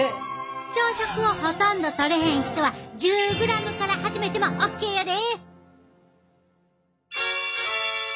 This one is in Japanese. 朝食をほとんどとれへん人は１０ｇから始めてもオッケーやで！